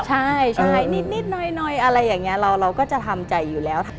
ใช่นิดหน่อยอะไรอย่างนี้เราก็จะทำใจอยู่แล้ว